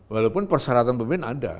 walaupun persyaratan pemimpin ada